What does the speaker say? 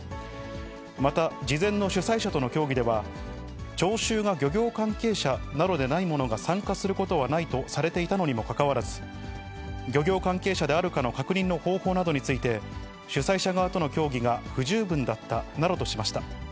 また、事前の主催者との協議では、聴衆が漁業関係者でない者が参加することはないとされていたにもかかわらず、漁業関係者であるかの確認の方法などについて、主催者側との協議が不十分だったなどとしました。